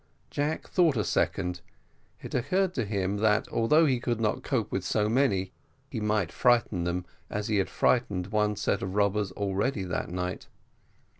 Jack thought a second it occurred to him, that, although he could not cope with so many, he might frighten them, as he had frightened one set of robbers already that night.